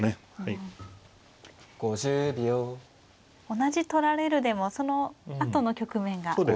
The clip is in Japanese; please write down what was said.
同じ取られるでもそのあとの局面が大事ですね。